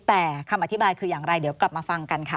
แต่คำอธิบายคืออย่างไรเดี๋ยวกลับมาฟังกันค่ะ